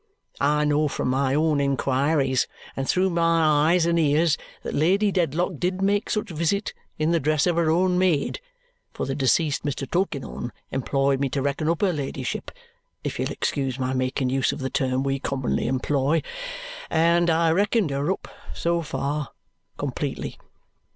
I know from my own inquiries and through my eyes and ears that Lady Dedlock did make such visit in the dress of her own maid, for the deceased Mr. Tulkinghorn employed me to reckon up her ladyship if you'll excuse my making use of the term we commonly employ and I reckoned her up, so far, completely.